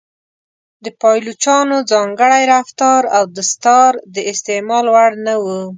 د پایلوچانو ځانګړی رفتار او دستار د استعمال وړ نه و.